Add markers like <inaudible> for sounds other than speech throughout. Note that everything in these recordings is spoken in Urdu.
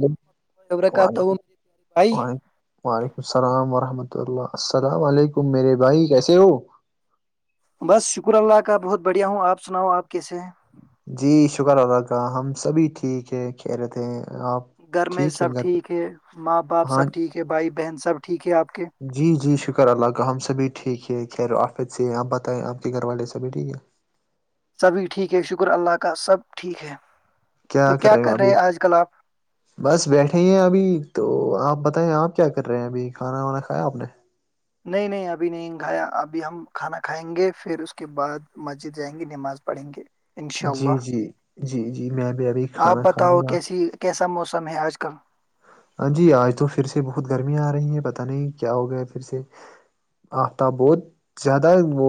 ل وبرکاتہ ہوں وعلیکم بھائی و وعلیکم السلام ورحمۃ اللہ السلام علیکم میرے بھائی کیسے ہو بس شکر اللہ کا بہت بڑھیا ہوں آپ سناؤ آپ کیسے ہیں جی شکر اللہ کا ہم سبھی ٹھیک ہے خیریت ہیں آپ گھر میں ہے سب گھر پہ ٹھیک ہے ماں باپ ہاں سب ٹھیک ہے بھائی بہن سب ٹھیک ہے آپ کے جی جی شکر اللہ کا ہم سبھی ٹھیک ہے خیرو آفت سے ہے آپ بتائیں آپ کے گھر والے سبھی ٹھیک ہے سبھی ٹھیک ہے شکر اللہ کا سب ٹھیک ہے کیا تو کر رہے ہو ابھی ہیں آج کل آپ بس بیٹھے ہی ہیں ابھی تو آپ بتائیں آپ کیا کر رہے ہیں ابھی کھانا وانا کھایا آپ نے نہیں نہیں ابھی نہیں کھایا ابھی ہم کھانا کھائیں گے پھر اس کے بعد مسجد جائیں گے نماز پڑھیں گے انشاء جی اللہ جی جی جی میں بھی ابھی آپ کھانا کھاؤں بتاؤ گا کیسی کیسا موسم ہے آج کل ہاں جی آج تو پھر سے بہت گرمیاں آ رہی ہیں پتہ نہیں کیا ہو گیا ہے پھر سے آفتاب بہت زیادہ وہ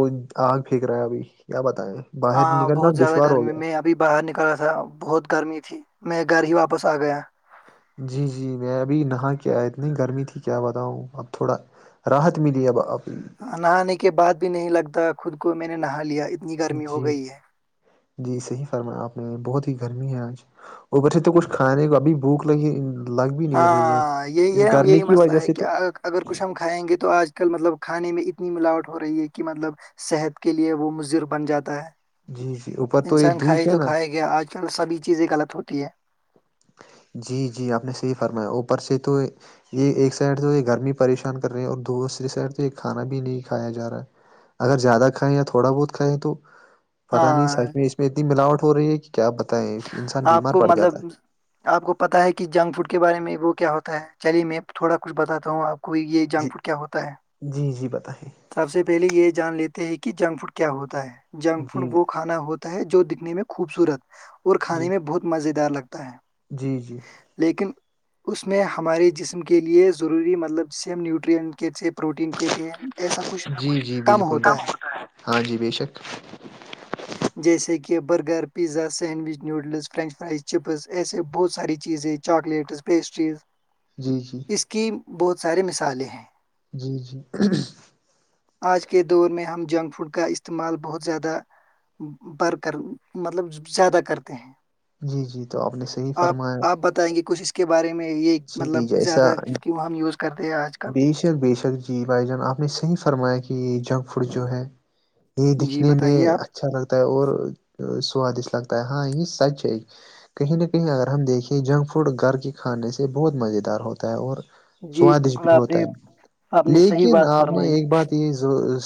آگ پھینک رہا ہے ابھی کیا بتائیں باہر ہاں نکلنا بہت زیادہ دشوار ہو گرمی گیا میں ابھی باہر نکلنا تھا بہت گرمی تھی میں گھر ہی واپس آ گیا جی جی میں ابھی نہا کے آیا اتنی گرمی تھی کیا بتاؤں اب تھوڑا راحت ملی اب آپ نہانے کے بعد بھی نہیں لگتا خود کو میں نے نہا لیا اتنی گرمی جی ہو گئی ہے جی صحیح فرمایا آپ نے بہت ہی گرمی ہے آج اوبر سے تو کچھ کھانے کو ابھی بھوک لگی ہے ان لگ بھی نہیں رہی ہاں یہی یہی کی مسئلہ وجہ ہے سے کہ تو اگر کچھ ہم کھائیں گے تو آج کل مطلب کھانے میں اتنی ملاوٹ ہو رہی ہے کہ مطلب صحت کے لئے وہ مضر بن جاتا ہے جی جی اوپر تو یہ انسان کھائے دھوپ ہے تو نا کھائے کیا آج کل سبھی چیزیں غلط ہوتی ہے جی جی آپ نے صحیح فرمایا اوپر سے تو یہ یہ ایک سائڈ تو یہ گرمی پریشان کر رہی ہے اور دوسری سائڈ تو یہ کھانا بھی نہیں کھایا جا رہا ہے اگر زیادہ کھائیں یا تھوڑا بہت کھائیں تو پتا نہیں سچ ہاں میں اس میں اتنی ملاوٹ ہو رہی ہے کہ کیا بتائیں انسان آپ بیمار کو پڑ جاتا مطلب ہے آپ کو پتا ہے کہ جنک فوڈ کے بارے میں وہ کیا ہوتا ہے چلیے میں تھوڑا کچھ بتاتا ہوں آپ کو کو یہ ہے جی جنک فوڈ کیا ہوتا ہے جی جی بتائیں سب سے پہلے یہ جان لیتے ہیں کہ جنک فوڈ کیا ہوتا ہے جنک فوڈ جی جی وہ کھانا ہوتا ہے جو دکھنے میں خوبصورت اور کھانے میں بہت مزے دار لگتا ہے جی جی لیکن اس میں ہمارے جسم کے لیے ضروری مطلب سیم نیوٹرین کیس پروٹین کہتے ہیں ایسا کچھ جی جی کم بالکل ہوتا ہے بالکل ہاں جی بے شک جیسے کہ burger pizza sandwich noodles French fries chips ایسے بہت ساری چیزیں چاکلیٹس پیسٹریز جی جی اس کی بہت سارے مثالیں ہیں جی جی آج کے دور میں ہم جنک فوڈ کا استعمال بہت زیادہ بر کر مطلب زیادہ کرتے ہیں جی جی تو آپ نے صحیح آپ فرمایا آپ بتائیں گے کچھ اس کے بارے میں یہ مطلب جی جیسا زیادہ کہ وہ ہم یوز کرتے ہیں آج کل بے شک بے شک جی بھائی جان آپ نے صح فرمایا کہ جنک فوڈ جو ہے یہ جی دکھنے میں بتائیے آپ اچھا لگتا ہے اور سوادشٹ لگتا ہے ہاں یہ سچ ہے کہیں نہ کہیں اگر ہم دیکھیں جنک فوڈ گھر کے کھانے سے بہت مزے دار ہوتا ہے اور جی سوادش بالکل بھی آپ ہوتا نے آپ ہے نے صحیح لیکن بات آپ نے فرمائی ایک بات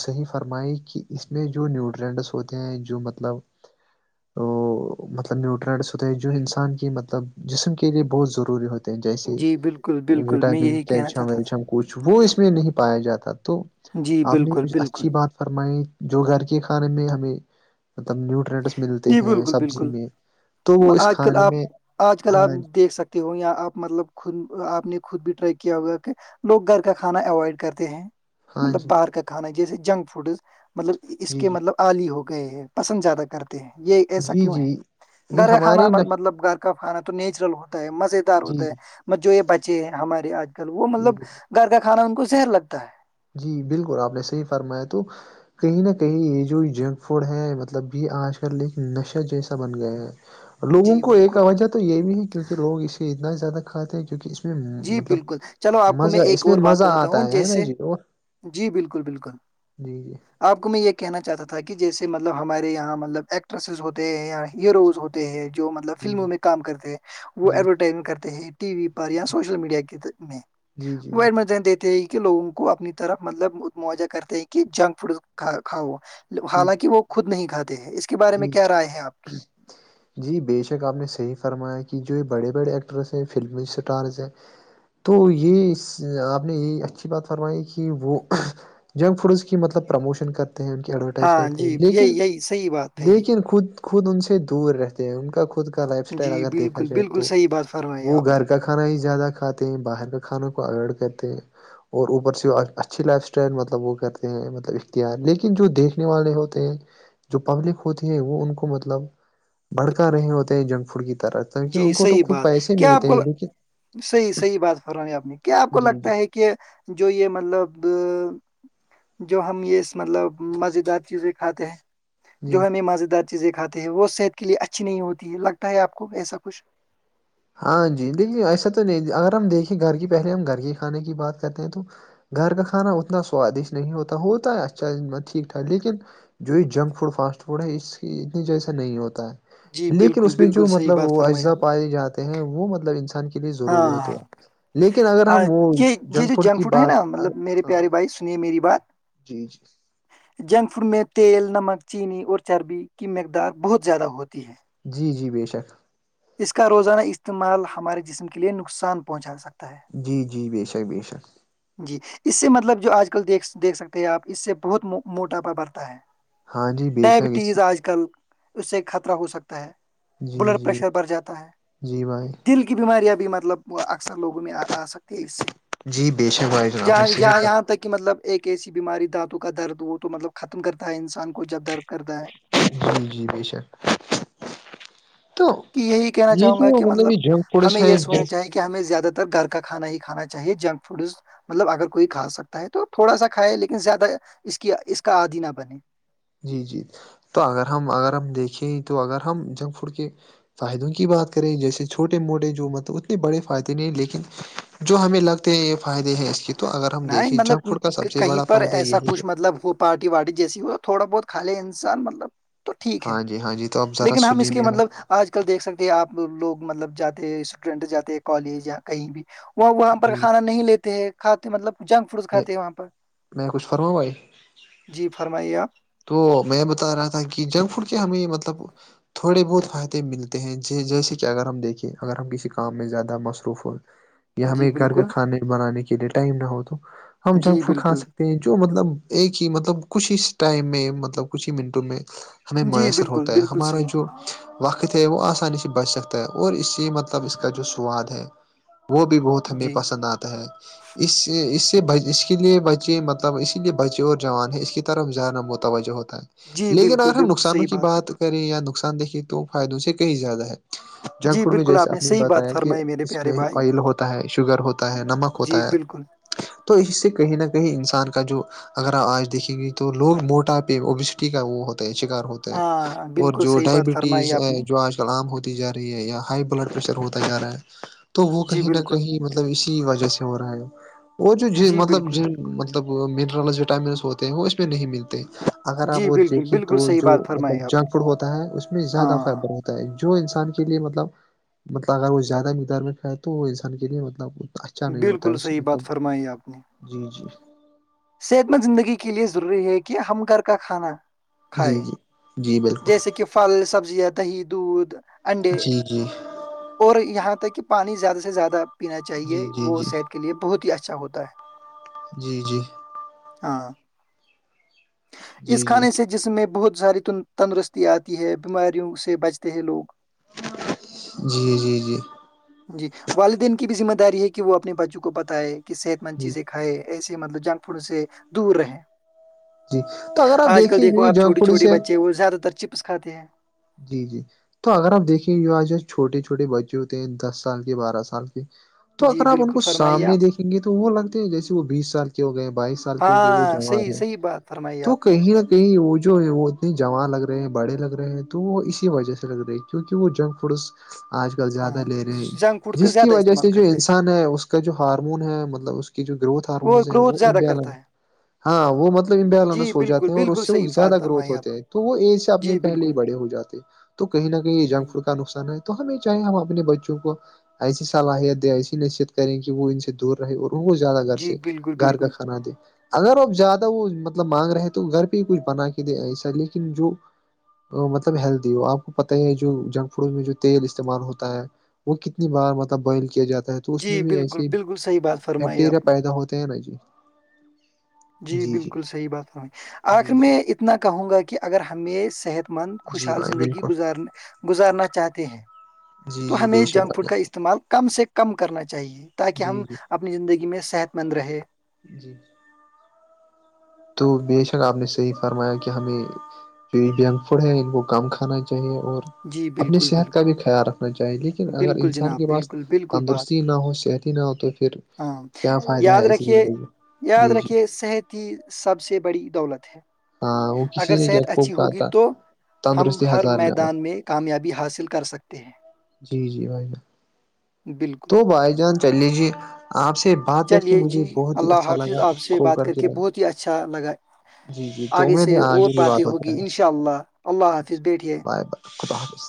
صحیح فرمائی کہ اس میں جو نیوٹرینٹس ہوتے ہیں جو مطلب تو مطلب نیوٹرنٹس ہوتے ہیں جو انسان کی مطلب جسم کے لیے بہت ضروری ہوتی <inaudible> جیسے جی بالکل بالکل میں وٹامن یہی کہنا کیلشیم چاہتا تھا ویلشیم کچھ وہ اس میں نہیں پایا جاتا تو جی آپ نے بالکل بالکل اچھی بات فرمائی جو گھر کے کھانے میں ہمیں مطلب نیوٹرینٹس ملتے ہیں سبزی میں تو وہ اس آ کل کھانے آپ میں آج کل آپ ہاں دیکھ سکتے ہوں یا آپ مطلب خود آپ نے خود بھی ٹرائی کیا ہوگا کہ لوگ گھر کا کھانا اوائڈ کرتے ہیں ہاں مطلب جی باہر کا کھانا جیسے جنک فوڈ مطلب اس جی کے جی مطلب آلی ہو گئے ہیں پسند زیادہ کرتے ہیں یہ ایسا جی کیوں ہے جی یہ گھر کا کانا ہمارے نش مطلب گھر کا کھانا تو نیچرل ہوتا ہے مزے دار جی ہوتا ہے جو یہ بچے ہیں ہمارے آج کل وہ جی مطلب گھر کا کھانا ان کو صحر لگتا ہے جی بالکل آپ نے صحیح فرمایا تو کہیں نہ کہیں یہ جو جنک فوڈ ہے مطلب یہ آج کل ایک نشہ جیسا بن گئے ہے لوگوں جی کو ایک بالکل تو وجہ تو یہ بھی ہے کیونکہ لوگ اسے اتنا ہی زیادہ کھاتے ہیں کیونکہ اس میں اس جی مطلب بالکل چلو آپ کو مزہ ایک اس میں اور بات مزہ بتاتا آتا ہوں ہے نا جیسے جی وہ جی بالکل بالکل جی جی آپ کو میں یہ کہنا چاہتا تھا کہ جیسے مطلب ہمارے یہاں مطلب ایکٹریسز ہوتے ہیں یا ہیروز ہوتے ہیں جو مطلب جی جی فلموں میں کام کرتے ہیں وہ جی ایڈورٹائز کرتے ہیں ٹی وی پر یا س میڈیا کے میں جی جی جی جی وہ دیتے ہیں کہ لووں کو اپنی طرف مطلب موجہ کرتے ہیں کہ جنک فوڈ کھاؤ جی حالانکہ وہ خود نہیں کھاتے ہیں اس کے بارے میں جی کیا رائے ہے آپ کی <unintelligible> جی بے شک آپ نے صحیح فرمایا کہ جو بڑے بڑے ایکٹرس ہیں فلمی اسٹارس ہیں تو یہ آپ نے یہ اچھی بات فرمائی کہ وہ جنک فوڈز کی مطلب پروموشن کرتے ہیں ان کی ایڈورٹائز کرتے ہیں لیکن صحی بات ہے دیکن خود خود ان سے دور رہتے ہیں ان کا خود خ کا لائف اسٹائل جی اگر دیکھا بالکل جائے بالکل تو صحیح بات فرمائی وہ آپ نے گھر کا ک کھانا ہی زیادہ کھاتے ہیں باہر کے کھانوں کو اوائڈ کرتے ہیں اور اوپر سے اچھی لائف اسٹائل مطلب وہ کرتے ہیں مطلب اختیار لیکن جو دیکھنے والے ہوتے ہیں جو پبلک ہوتی ہے وہ ان کو مطلب بھڑکا رہے ہوتے ہیں جنک فوڈ کی طرح کیونکہ جی ان کو تو صحیح خود بات پیسے کیا آپ ملتے کو ہیں لیکن صحیح صحیح بات فران آپ نے کیا آپ کو جی جی لگتا ہے کہ کہ جو یہ مطلب جو ہم یہ مطلب مزیدار چیزیں کھاتے ہیں جی جو ہمیں مزیدار چیزیں کھاتے ہیں وہ صحت کے لیئے اچھی نہیں ہوتی ہے لگتا ہے آپ کو ایسا کچھ ہاں جی دیکھیے ایسا تو نہیں اگر ہم دیکھیں گھر کی پہلے ہم گھر کے کھانے کی بات کرتے ہیں تو گھر کا کھانا اتنا سوادش نہیں ہوتا ہوتا ہے اچھا ٹھیک ٹھاک لیکن جو یہ جنک فوڈ فاسٹ فوڈ ہے اس کی اتنی جیسا نہیں ہوتا جی ہے لیکن بالکل اس میں بالکل جو صحیح مطلب بات وہ فرمائی اجزاء آپ نے پائے جاتے ہیں وہ مطلب انسان کے لیے ضروری ہاں ہوتے ہاں لیکن اگر آ، ہم وہ یہ جنک فوڈ کی بات ہاں اس نے میری بات <inaudible> <inaudible> جی جی جنک فوڈ میں تیل نمک چینی اور چربی کی مقدار بہت زیادہ ہوتی ہے جی جی بے شک اس کا روزانہ استعمال ہمارے جسم کے لیے نقصان پہنچا سکتا ہے جی جی بے شک بے شک جی اس سے مطلب جو آج کل د دیکھ سکتے ہیں آپ اس سے بہت موٹاپا بڑھتا ہے ہاں جی بے شک اس ڈائبٹیز آج کل اس سے خطرہ ہو سکتا ہے جی بلڈ جی پریشر بڑھ جاتا ہے جی بھائی دل کی بیماریاں بھی مطلب اکثر لوگوں میں آ سکتی ہے اس سے جی بے شک بھائی جناب نے جہاں صحیح یہاں یہاں <inaudible> تک کہ مطلب ایک ایسی بیماری دانتوں کا درد وہ تو مطلب ختم کرتا ہے انسان کو جب درد کرتا ہے جی جی بے شک <inaudible> تو کہ یہی کہنا یہ چاہوں تو گا کہ مطلب ج پڑے ہمیں س <inaudible> یہ سوچنا چاہیے ہمیں زیادہ تر گھر کا کانا ہی کھانا چاہے جنک فوڈز مطلب اگر کوئی کھا سکتا ہے تو تھوڑا سا کھائے لیکن زیادہ اس کی اس کا آدھی نہ بنے جی جی تو اگر ہم اگر ہم دیکھیں تو اگر ہم جنک فوڈ کے فائدوں کی بات کریں جیسے چھوٹے موٹے جو مطلب اتنے بڑے فائدے نہیں لیکن جو ہمیں لگتے ہیں یہ فائدے ہے اس لیے نہیں مطلب کہیں پر فائدہ یہ ایسا ہے کہ کچھ مطلب ہو پارٹی وارٹی جیسی ہو تھوڑا بہت خالے انسان مطلب تو ٹھیک ہے ہاں جی ہاں جی تو آپ ذرا لیکن ہم اس سنیے کے میرا مطلب آج کل دیکھ سکتے ہیں آپ لوگ مطلب جاتے ہیں اسٹوڈینٹ جاتے کالج یا کہیں بھی وہ وہاں پر جی کھانا نہیں لیتے ہیں کھاتے مطلب جنک فوڈس میں کھاتے ہیں وہاں پر میں کچھ فرما بھائی جی فرمائیے آپ تو میں بتا رہا تھا کہ جنک فوڈ کیا ہمیں مطلب تھوڑے بہت فائدے ملتے ہیں جیسے کہ اگر ہم دیکھیں اگر ہم کسی کام میں زیادہ مصروف ہو یا جی ہمیں گھر کا بالکل کھانے بنانے کے لیے ٹائم نہ ہو تو ہم جنک جی فوڈ کھا بالکل سکتے جو مطلب ایک ہی مطلب کچھ ہی ٹائم میں مطلب کچھ ہی منٹوں میں ہمیں جی میسر بالکل، ہوتا ہے بالکل ہمارا صحیح، جو وقت ہے وہ آسانی سے بچ سکتا ہے اور اس سے مطلب اس کا جو سواد ہے وہ بھی بہت ہمیں جی، پسند آتا ہے اس اس سے اس کے لیے بچے مطلب اسی لیے بچے اور جوان ہے اس کی طرف ا متا وجہ ہوتا جی ہے لیکن بالکل، اگر ہم بالکل نقصانوں صحیح کی بات کریں یا نقصان دیکھے تو فائدوں سے کہیں زیادہ ہے ہے، جنک جی فوڈ میں بالکل جیسے آپ نے صحیح بات بتایا کہ فرمائی میرے اس پیارے میں بھائی، آئل ہوتا ہے شوگر ہوتا ہے نمک جی ہوتا ہے بالکل تو اس سے کہیں نہ کہیں انسان کا جو اگر آپ آج دیکھیں گے تو لوگ موٹا پہ اوبسٹی کا وہ ہوتا ہے شکار ہوتا ہاں، اور بالکل جو صحیح بات فرمائی ڈائبٹیز آپ ہے نے، جو آجل کلام ہوتی جا رہی ہے یا ہائی بلڈ پریشر ہوتا جا رہا ہے تو وہ جی کہیں نہ بالکل، کہیں مطلب اسی وجہ سے ہو رہا ہے وہ جو ج جی مطلب بالکل، ج بالکل، مطلب منرلس وٹامنس ہوتے ہیں وہ اس میں نہیں ملتے اگر آپ جی وہ بالکل، دیکھیں تو بالکل صحیح جو بات فرمائی مطلب آپ نے، جنک فوڈ ہوتا ہے اس میں زیادہ ہاں، فائدر ہوتا جو انسان کے لیے مطلب مطلب اگر وہ زیادہ مقدار میں کھائے تو وہ انسان کے لیے مطلب اچھا نہیں ہوتا بالکل ہے اس سے صحیح بات مطلب فرمائی آپ نے جی جی صحت مند زندگی کے لے ضروری ہے کہ ہم گھر کا کھانا جی کھائے جی جی بالکل جیسے کہ پھل سبزیاں دہی دودھ انڈے جی جی اور یہاں تک کہ پانی زیادہ سے زیادہ پینا چاہیے جی جی وہ جی صحت کے لیے بہت ہی اچھا ہوتا ہے جی جی <unintelligible> ہاں اس جی جی جی کھانے سے جسم میں بہت ساری تندرستی آتی ہے بیماریوں سے بچتے ہیں لوگ جی جی جی جی والدین کی بھی ذمہ داری ہے کہ وہ اپنے بچوں کو بتائے کہ صحت مند جی چیزیں کھائے ایسے مطلب جنک فوڈ سے دور رہیں جی توگر <unintelligible> آج کل دیکو آپ چھوٹی چھوے بچے وہ زیادہ تر چپس کھے ہیں جی جی تو اگر آپ دیکیں گے آج جو چھوٹے چھوٹے بچے ہوتے ہیں دس سال کے بارہ سال کے تو جی اگر آپ ان بالکل کو فرمائیے سامنے آپ دیکھیں گے تو وہ لگتے ہیں جیسے وہ بیس سال کے ہو گئے ہیں بائیس سال کے ہو گئے وہ ہاں صحیح صحیح بات فرمائی آپ نے کہ وہ جو ہے وہ اتنے جما لگ رہے ہیں بڑے لگ رہے ہیں تو وہ اسی وجہ سے لگ رہے ہے کیونکہ وہ جنک فوڈس آج کل ہاں زیادہ لے رہے ہیں جنک فوڈ کا جس کی زیادہ وجہ استعمال سے جو کرتے ہیں انسان ہے اس کا جو ہارمون ہے مطلب اس جو گروتھ آر گروتھ وہ زیادہ <unintelligible> کرتا ہے ہاں وہ مطلب جی امبیلنس ہو بالکل جاتے ہیں اور بالکل اس سے وہ صحیح بات زیادہ گروتھ فرمائی آپ ہوتے نے ہیں تو وہ ایج سے اپنے جی پہلے بالکل ہی بڑے ہو جاتے تو کہیں نہ کہیں جی جنک فوڈ کا نقصان ہے تو ہمیں چاہے ہم اپنے بچوں کو ایسی صلاحیت دیں ایسی نصیت کریں کہ وہ ان سے دور رہے اور ان کو زیادہ گھر جی سے بالکل گھر کا بالکل کھانا دے اگر آپ زیادہ وہ مطلب مانگ رہے تو گھر پہ ہی کچھ بنا کے دے ایسا لیکن جو مطلب ہیلدی ہو آپ کو پتہ ہی ہے جو جنک فوڈ میں جو تیل استعمال ہوتا ہے وہ کتنی بار مطلب بئل کیا جاتا تو اس میں جی بھی بالکل ایسے بالکل صحیح بات فرمائی بیکٹیریا آپ نے پیدا ہوتے ہیں نا جی جی بالکل صحیح بات آخر جی میں اتنا کہوں گا کہ اگر ہمیں صحت مند جی خوشحال بھائی زندگی بالکل گزارنا چاہتے ہیں جی تو جی ہمیں بے شک جنک بھائی فوڈ کا جان استعمال کم سے کم کرنا چاہیے تاکہ جی ہم جی اپنی زندگی میں صحت مند رہیں جی تو بےشک آپ نے صحیح فرمایا کہ ہمیں تو یہ جنک فوڈ ہے ان کو کم کھانا چاہیے اور جی اپنی بالکل صحت کا بھی بالکل خیال رکھنا چاہیے لیک لن اگر بالکل انسان جناب کے پاس بالکل بالکل بات تندرستی نہ ہو صحتی نہ ہو تو پھر ہاں کیا فائدہ یاد ہے ایسی رکھیے زندگی میں یاد رکھے صحت کی سب سے بڑی دولت ہے ہاں وہ کسی اگر نے کیا صحت خوب اچھی کہا ہوگی تھا تو ہم تندرستی ہر ہزار نعمت میدان میں کامیابی حاصل کر سکتے ہیں جی جی بھائی ب <unintelligible> بالکل تو بائی جان چل لیجیے آپ سے بات ہے کہ چلیے مجھے جی بہت ہی اللہ اچھا حافظ لگا آپ سے کھو بات کر کے ل بہت ہی اچھا لگا جی جی آگے تود سے اور آگے بھی باتیں بات ہوتی رہ ہوگی گ انشاء اللہ اللہ حافظ بیٹھیے بائے بائے خدا حافظ